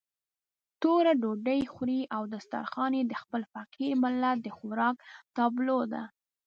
توره ډوډۍ خوري او دسترخوان يې د خپل فقير ملت د خوراک تابلو ده.